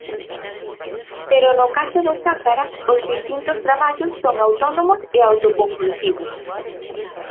Pero no caso do Sahara os distintos traballos son autónomos e autoconclusivos.